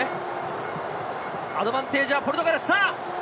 アドバンテージはポルトガル。